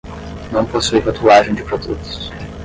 Não possui rotulagem de produtos.